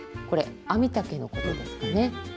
これアミタケのことですかね。